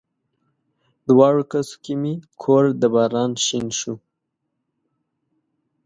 دواړو کسو کې مې کور د باران شین شو